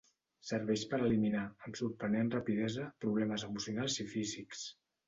Serveix per eliminar, amb sorprenent rapidesa, problemes emocionals i físics.